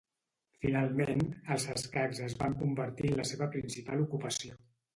Finalment, els escacs es van convertir en la seva principal ocupació.